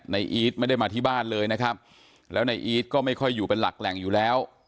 อีทไม่ได้มาที่บ้านเลยนะครับแล้วในอีทก็ไม่ค่อยอยู่เป็นหลักแหล่งอยู่แล้ว